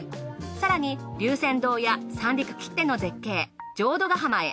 更に龍泉洞や三陸きっての絶景浄土ヶ浜へ。